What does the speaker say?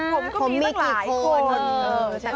ผมก็มีตั้งหลายคน